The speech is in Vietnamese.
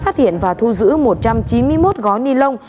phát hiện và thu giữ một trăm chín mươi một gói ni lông